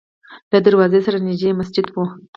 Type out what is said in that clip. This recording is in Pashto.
له دروازې سره نږدې یې مسجد و.